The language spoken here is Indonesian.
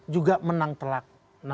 juga menang telak